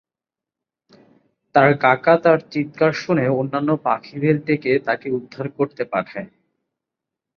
তার কাকা তার চিৎকার শুনে অন্যান্য পাখিদের ডেকে তাকে উদ্ধার করতে পাঠায়।